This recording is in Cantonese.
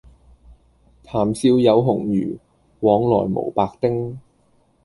談笑有鴻儒，往來無白丁